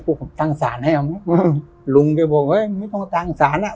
พวกผมตั้งศาลให้เอาไหมลุงแกบอกเฮ้ยไม่ต้องตั้งสารอ่ะ